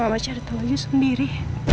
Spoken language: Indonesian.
mama ceritamu sendiri